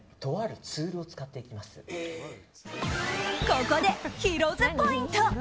ここで、ヒロ’ｓポイント。